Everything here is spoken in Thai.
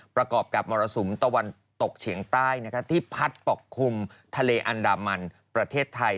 ประกอบกับมรสุมตะวันตกเฉียงใต้ที่พัดปกคลุมทะเลอันดามันประเทศไทย